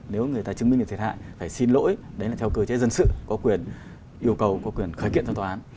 nếu người ta chứng minh được thiệt hại phải xin lỗi đấy là theo cơ chế dân sự có quyền yêu cầu có quyền khởi kiện trong tòa án